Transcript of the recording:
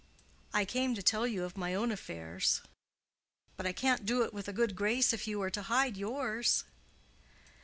"I came to tell you of my own affairs, but I can't do it with a good grace if you are to hide yours."